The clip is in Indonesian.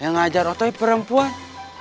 yang ngajar otoy perempuan